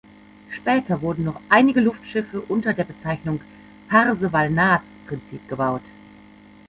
Später wurden noch einige Luftschiffe unter der Bezeichnung "Parseval-Naatz"-Prinzip gebaut.